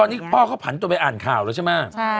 ตอนนี้พ่อเขาผันตัวไปอ่านข่าวแล้วใช่ไหม